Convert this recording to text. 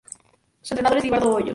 Su entrenador es Libardo Hoyos.